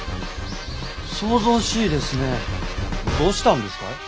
騒々しいですねどうしたんですかい？